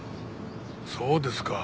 そうですか。